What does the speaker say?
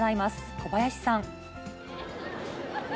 小林さん。